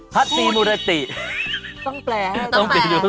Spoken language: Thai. พระธีมุรติต้องแปลให้ต้องแปล